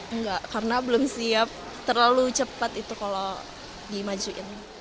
enggak karena belum siap terlalu cepat itu kalau dimajuin